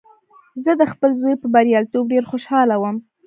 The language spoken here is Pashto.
زه د خپل زوی په بریالیتوب ډېر خوشحاله وم